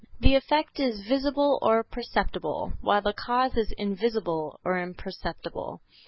The effect is visible or perceptible, while the cause is invisible or imperceptible.